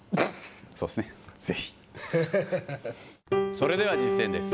それでは実践です。